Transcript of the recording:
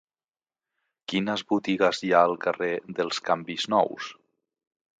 Quines botigues hi ha al carrer dels Canvis Nous?